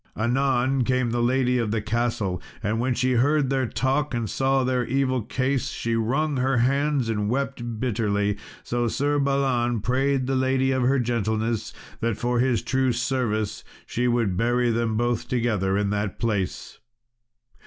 Anon came the lady of the castle, and when she heard their talk, and saw their evil case, she wrung her hands and wept bitterly. So Sir Balan prayed the lady of her gentleness that, for his true service, she would bury them both together in that place.